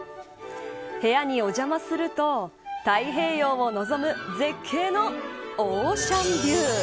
部屋にお邪魔すると太平洋をのぞむ絶景のオーシャンビュー。